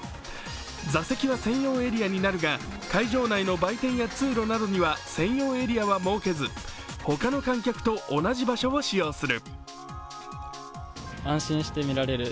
座席は専用エリアになるが会場内の売店や通路には専用エリアは設けず、他の観客と同じ場所を使用する。